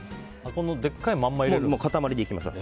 でっかいまんま入れるんですね。